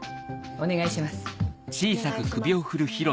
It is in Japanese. お願いします。